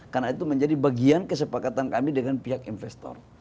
karena itu menjadi bagian kesepakatan kami dengan pihak investor